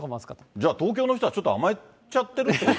じゃあ、東京の人はちょっと甘えちゃってるってこと？